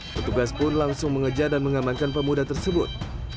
petugas pun langsung mengejar dan mengamankan pemuda tersebut